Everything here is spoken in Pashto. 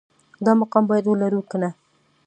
دا مقام باید ولرو که نه